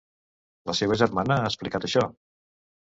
La seva germana ha explicat això.